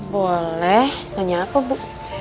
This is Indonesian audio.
boleh nanya apa bu